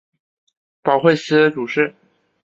保惠司主事。